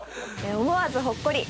思わずほっこり！